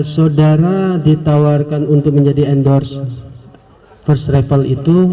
saudara ditawarkan untuk menjadi endorse first travel itu